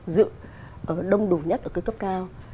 dự đông đủ nhất ở cái cấp cao